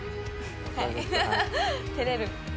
照れる。